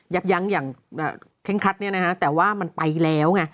ยับย้างอย่างเค้งคัดแต่ว่ามันไปแล้ว